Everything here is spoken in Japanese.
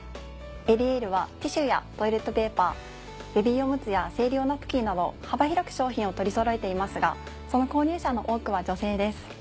エリエールはティッシュやトイレットペーパーベビーオムツや生理用ナプキンなど幅広く商品を取りそろえていますがその購入者の多くは女性です。